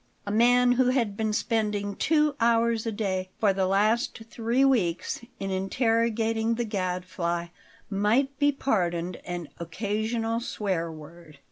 A man who had been spending two hours a day for the last three weeks in interrogating the Gadfly might be pardoned an occasional swear word.